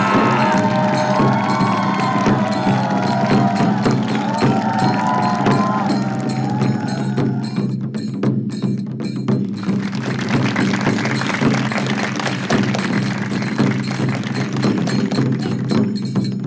ว่าจริงอาชีพหลักเขาก็คือน่าจะขายเห็ดเมาอยู่สมุย